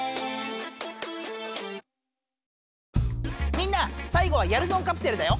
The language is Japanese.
みんな最後はやるぞんカプセルだよ。